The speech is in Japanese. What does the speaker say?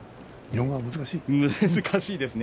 日本語は難しい。